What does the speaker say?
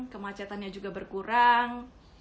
kemacetannya juga berkurang